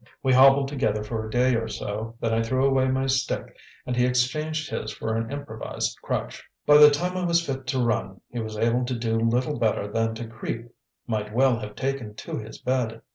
We hobbled together for a day or so, then I threw away my stick and he exchanged his for an improvised crutch. By the time I was fit to run, he was able to do little better than to creep might well have taken to his bed.